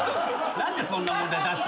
何でそんな問題出して。